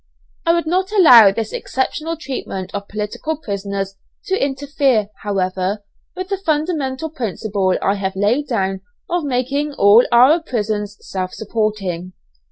I would not allow this exceptional treatment of political prisoners to interfere, however, with the fundamental principle I have laid down of making all our prisons self supporting.